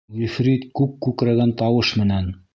Ғифрит күк күкрәгән тауыш менән: